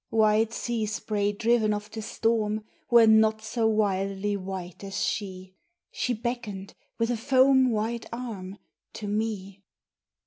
White sea spray driven of the storm Were not so wildly white as she! She beckoned with a foam white arm To me.